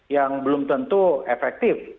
yang belum tentu efektif